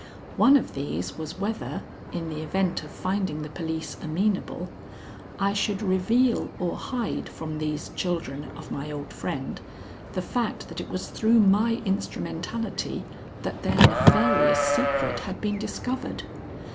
One of these was whether, in the event of finding the police amenable, I should reveal or hide from these children of my old friend, the fact that it was through my instrumentality that their nefarious secret had been discovered.